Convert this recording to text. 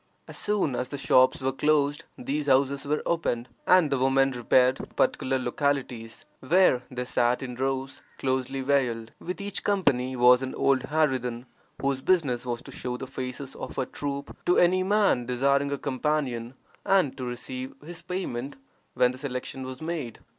As soon as the shops were closed these houses were opened, and the women repaired to particular localities, where they sat in rows, closely veiled. With each company was an old harridan, whose business was to show the faces of her troop to any man desiring a companion, and to receive his payment when the selection was made.